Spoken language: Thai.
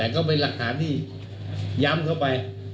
ก็เป็นหลักฐานที่ย้ำเข้าไป